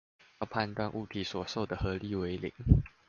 要判斷物體所受的合力為零